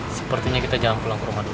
sepertinya kita jangan pulang ke rumah dulu